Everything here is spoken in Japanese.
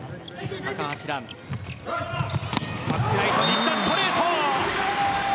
バックライト西田、ストレート。